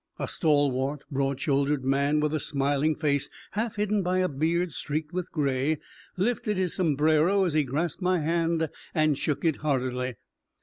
A stalwart, broad shouldered man, with a smiling face half hidden by a beard streaked with gray, lifted his sombrero as he grasped my hand and shook it heartily.